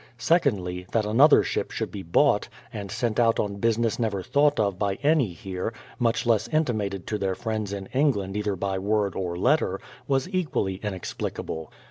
Secondly, that another ship should be bought, and sent out on business never thought of by any here, much less intimated to their friends in England either by word or letter, was equally inexphcable.